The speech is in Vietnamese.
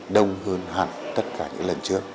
đông hơn hẳn tất cả những lần trước